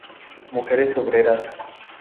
Mujeres obreras".